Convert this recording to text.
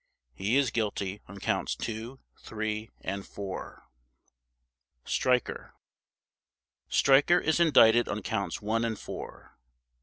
He is guilty on Counts Two, Three, and Four. STREICHER Streicher is indicted on Counts One and Four.